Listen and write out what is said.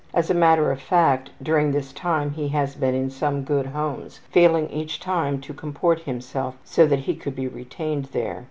As a matter of fact, during this time he has been in some good homes, failing each time to comport himself so that he could be retained there.